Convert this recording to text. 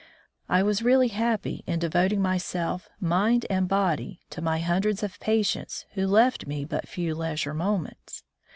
I was really happy in devoting myself mind and body to my hundreds of patients who left me but few leisure moments.